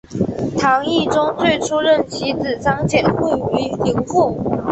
唐懿宗最初任其子张简会为留后。